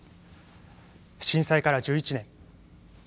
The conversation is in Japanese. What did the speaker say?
震災から１１年。